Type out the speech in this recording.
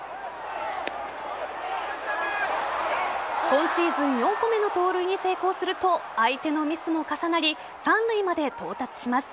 今シーズン４個目の盗塁に成功すると、相手のミスも重なり三塁まで到達します。